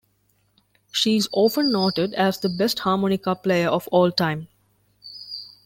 She is often noted as the best harmonica player of all time.